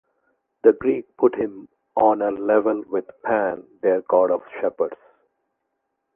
The Greek put him on a level with Pan, their God of Shepherds.